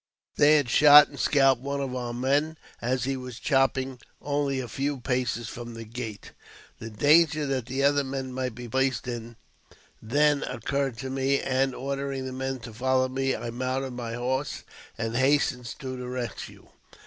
They had shoi and scalped one of our men as he was chopping only a few paces' from the gate. The danger that the other men might be placed > in then occurred to me, and, ordering the men to follow nieHi I mounted my horse and hastened to their rescue.